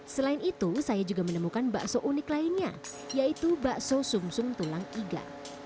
selain itu saya juga menemukan bakso unik lainnya yaitu bakso sum sum tulang iga